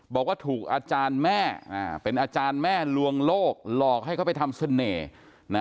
บอกว่าถูกอาจารย์แม่เป็นอาจารย์แม่ลวงโลกหลอกให้เขาไปทำเสน่ห์นะ